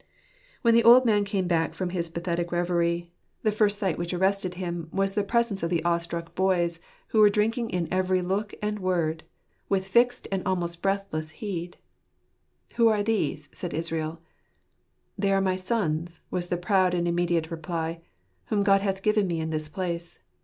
When the old man came back from his pathetic reverie, the first sight which arrested him was the presence of the 150 Josepfj at tjje $eatlj |letr of Jfatafr. awe struck boys, who were drinking in every look and word, with fixed and almost breathless heed. " Who are these ?" said Israel. "They are my sons," was the proud and immediate reply, " whom God hath given me in this place."